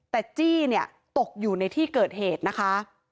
แต่จี้เนี่ยตกอยู่ในที่เกิดเหตุนะคะ